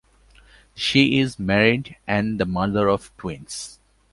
She is married and the mother of twins.